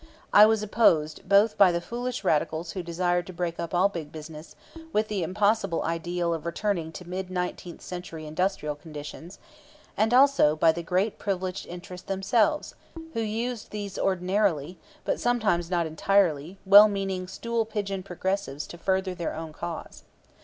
I was opposed both by the foolish radicals who desired to break up all big business, with the impossible ideal of returning to mid nineteenth century industrial conditions; and also by the great privileged interests themselves, who used these ordinarily but sometimes not entirely well meaning "stool pigeon progressives" to further their own cause.